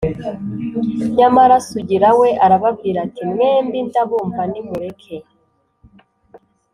Nyamara Sugira we arababwira ati: “Mwembi ndabumva nimureke